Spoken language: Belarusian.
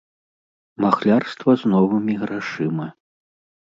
Махлярства з новымі грашыма.